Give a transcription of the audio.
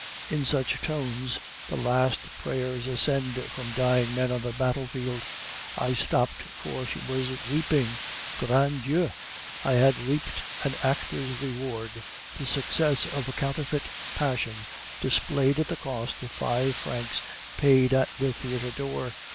In such tones the last prayers ascend from dying men on the battlefield. I stopped, for she was weeping. Grand Dieu! I had reaped an actor's reward, the success of a counterfeit passion displayed at the cost of five francs paid at the theatre door.